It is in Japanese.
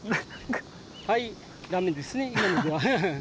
はいだめですね今のではハハッ。